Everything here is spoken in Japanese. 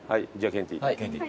ケンティー。